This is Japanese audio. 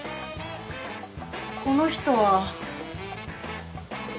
この人は。